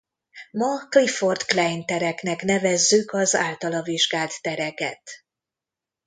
Ma Clifford-Klein tereknek nevezzük az általa vizsgált tereket.